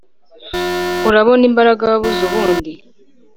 Urabona imbaraga wabuze ubundi?